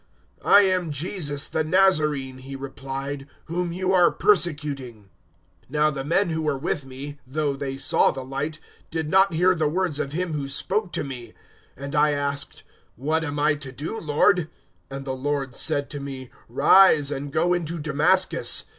"`I am Jesus, the Nazarene,' He replied, `whom you are persecuting.' 022:009 "Now the men who were with me, though they saw the light, did not hear the words of Him who spoke to me. 022:010 And I asked, "`What am I to do, Lord?' "And the Lord said to me, "`Rise, and go into Damascus.